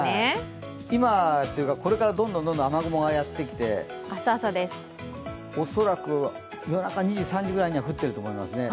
これからどんどん雨雲がやってきて恐らく夜中２時、３時ぐらいには降っていると思いますね。